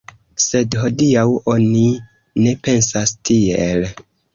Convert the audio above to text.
Sed hodiaŭ oni ne pensas tiel.